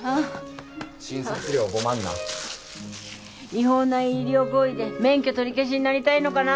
違法な医療行為で免許取り消しになりたいのかな？